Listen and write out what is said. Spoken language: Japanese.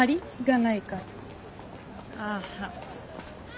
ああ。